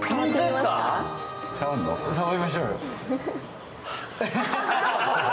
触りましょうよ。